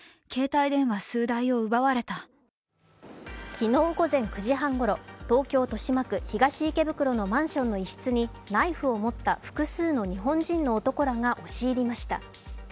昨日午前９時半ごろ、東京・豊島区東池袋のマンションの一室にナイフを持った複数の日本人の男らが押し入りました。